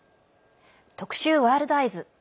特集「ワールドＥＹＥＳ」。